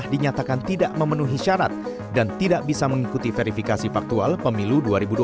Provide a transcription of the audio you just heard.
dinyatakan tidak memenuhi syarat dan tidak bisa mengikuti verifikasi faktual pemilu dua ribu dua puluh